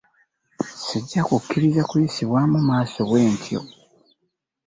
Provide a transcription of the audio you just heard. Sijja kukkiriza kuyisibwamu maaso bwentyo.